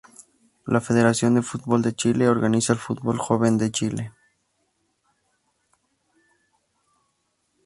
La Federación de Fútbol de Chile organiza el Fútbol Joven de Chile.